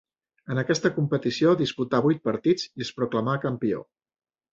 En aquesta competició disputà vuit partits i es proclamà campió.